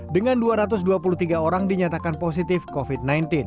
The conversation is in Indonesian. dengan dua ratus dua puluh tiga orang dinyatakan positif covid sembilan belas